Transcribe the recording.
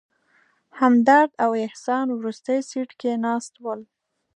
همدرد او احسان وروستي سیټ کې ناست ول.